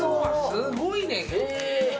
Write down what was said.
すごいね！